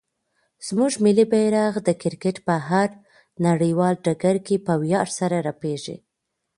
زموږ ملي بیرغ د کرکټ په هر نړیوال ډګر کې په ویاړ سره رپېږي.